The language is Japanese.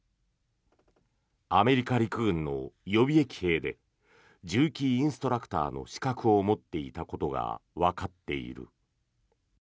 アメリカ陸軍の予備役兵で銃器インストラクターの資格を持っていたことがわかっている。